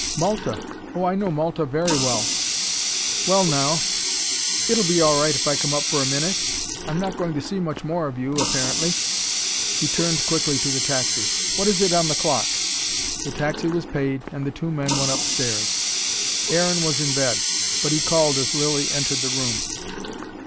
"Malta! Oh, I know Malta very well. Well now, it'll be all right if I come up for a minute? I'm not going to see much more of you, apparently." He turned quickly to the taxi. "What is it on the clock?" The taxi was paid, the two men went upstairs. Aaron was in bed, but he called as Lilly entered the room.